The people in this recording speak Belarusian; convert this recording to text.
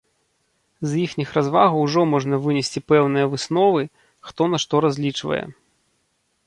З іхніх развагаў ужо можна вынесці пэўныя высновы, хто на што разлічвае.